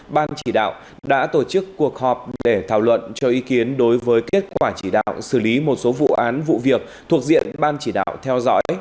ban chỉ đạo đã tổ chức cuộc họp để thảo luận cho ý kiến đối với kết quả chỉ đạo xử lý một số vụ án vụ việc thuộc diện ban chỉ đạo theo dõi